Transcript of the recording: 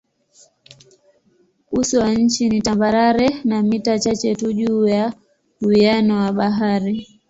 Uso wa nchi ni tambarare na mita chache tu juu ya uwiano wa bahari.